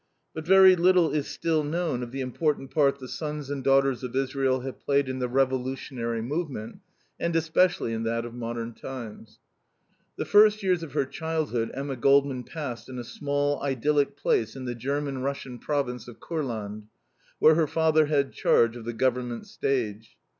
But very little is still known of the important part the sons and daughters of Israel have played in the revolutionary movement and, especially, in that of modern times. The first years of her childhood Emma Goldman passed in a small, idyllic place in the German Russian province of Kurland, where her father had charge of the government stage.